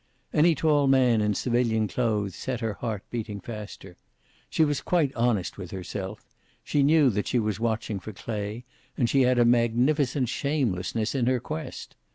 Any tall man in civilian clothes set her heart beating faster. She was quite honest with herself; she knew that she was watching for Clay, and she had a magnificent shamelessness in her quest.